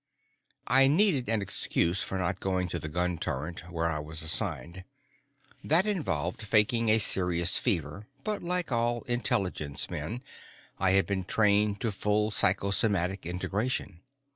I needed an excuse for not going to the gun turret where I was assigned. That involved faking a serious fever, but like all Intelligence men, I had been trained to full psychosomatic integration.